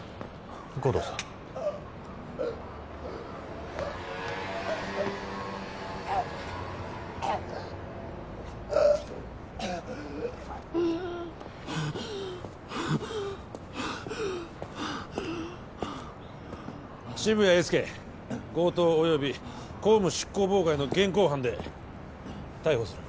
護道さん渋谷英輔強盗および公務執行妨害の現行犯で逮捕する